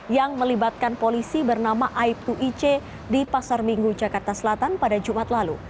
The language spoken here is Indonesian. yang melibatkan polisi bernama aibtu ice di pasar minggu jakarta selatan pada jumat lalu